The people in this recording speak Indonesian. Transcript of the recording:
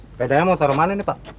sepedanya mau taruh mana ini pak